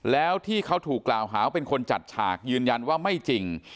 แล้วที่เขาถูกกล่าวหาว่าเป็นคนจัดฉากยืนยันว่าไม่จริง